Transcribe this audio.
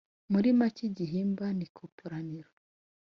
Muri make ,igihimba ni ikoporaniro